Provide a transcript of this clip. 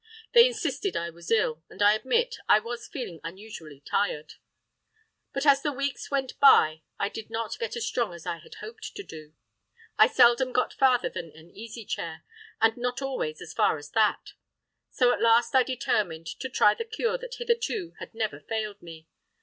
They insisted I was ill; and I admit I was feeling unusually tired. But as the weeks went by I did not get as strong as I had hoped to do. I seldom got farther than an easy chair, and not always as far as that. So at last I determined to try the cure that hitherto had never failed me.